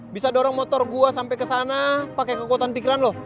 bisa dorong motor gue sampe kesana pake kekuatan pikiran lo